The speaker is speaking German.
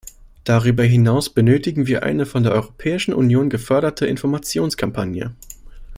Darüber hinaus benötigen wir eine von der Europäischen Union geförderte Informationskampagne.